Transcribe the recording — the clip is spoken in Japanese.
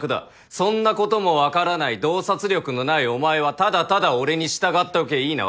そんなことも分からない洞察力のないお前はただただ俺に従っておけいいな？